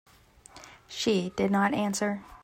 She did not answer.